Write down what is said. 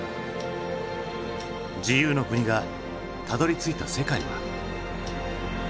自由の国がたどりついた世界は？